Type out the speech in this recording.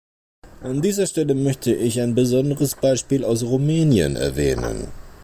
An dieser Stelle möchte ich ein besonderes Beispiel aus Rumänien erwähnen.